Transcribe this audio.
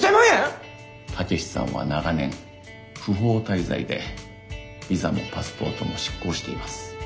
武志さんは長年不法滞在でビザもパスポートも失効しています。